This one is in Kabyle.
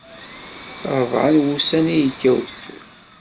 Rebɛa n wussan i yekka udfel.